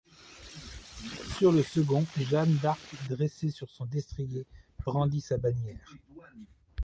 Sur le second, Jeanne d'arc dressée sur son destrier brandit sa bannière.